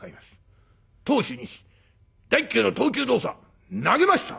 投手西第１球の投球動作投げました！